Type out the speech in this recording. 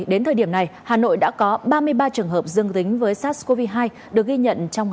đến thời điểm này hà nội đã có ba mươi ba trường hợp dương tính với sars cov hai được ghi nhận trong ngày một mươi chín tháng bảy